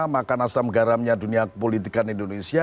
makan asam garamnya dunia politikan indonesia